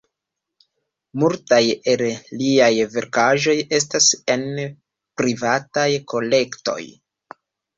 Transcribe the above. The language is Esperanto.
Multaj el liaj verkaĵoj estas en privataj kolektoj.